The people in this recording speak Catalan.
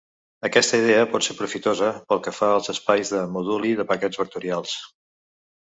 Aquesta idea pot ser profitosa pel que fa als espais de moduli de paquets vectorials.